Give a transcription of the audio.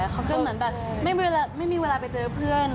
เขาจะเหมือนแบบไม่มีเวลาไปเจอเพื่อน